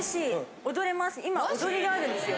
今踊りがあるんですよ。